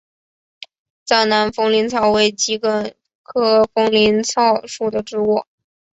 藏南风铃草为桔梗科风铃草属的植物。